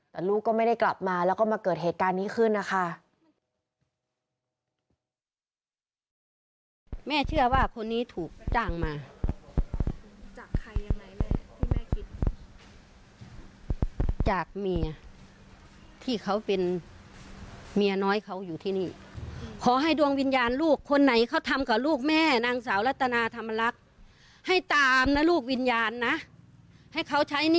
แต่ลูกก็ไม่ได้กลับมาแล้วก็มาเกิดเหตุการณ์นี้ขึ้นนะคะ